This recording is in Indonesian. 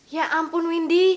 ya ampun windy